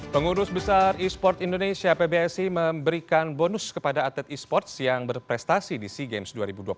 pengurus besar e sport indonesia pbsi memberikan bonus kepada atlet e sports yang berprestasi di sea games dua ribu dua puluh tiga